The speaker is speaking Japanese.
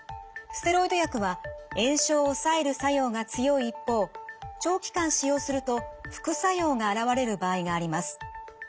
ステロイド薬は炎症を抑える作用が強い一方長期間使用すると副作用が現れる場合があります。